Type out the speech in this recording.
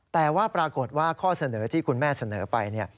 แต่ว่าปรากฏว่าข้อเสนอที่คุณแม่เสนอไป